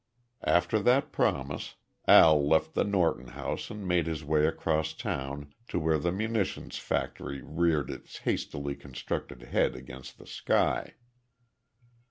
After that promise, Al left the Norton house and made his way across town to where the munitions factory reared its hastily constructed head against the sky.